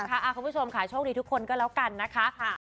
คุณผู้ชมค่ะโชคดีทุกคนก็แล้วกันนะคะ